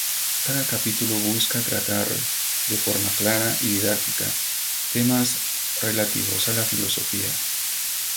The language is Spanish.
Cada capítulo busca tratar, de forma clara y didáctica, temas relativos a la filosofía.